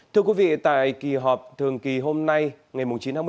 thưa quý vị tại kỳ họp thường kỳ hôm nay ngày chín tháng một mươi một